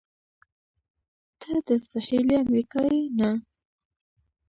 ته د سهېلي امریکا یې؟ نه.